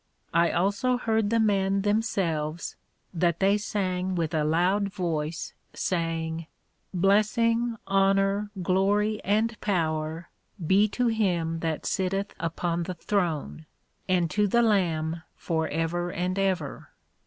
I also heard the men themselves, that they sang with a loud voice, saying, Blessing, Honour, Glory, and Power, be to him that sitteth upon the Throne, and to the Lamb for ever and ever.